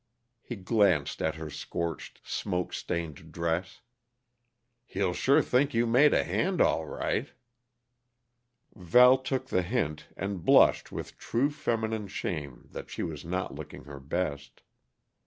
He glanced at her scorched, smoke stained dress. "He'll sure think you made a hand, all right!" Val took the hint, and blushed with true feminine shame that she was not looking her best.